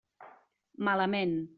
Malament.